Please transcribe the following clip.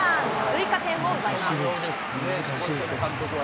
追加点を奪います。